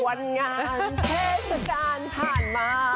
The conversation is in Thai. วันงานเทศกาลผ่านมา